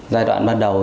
giai đoạn ban đầu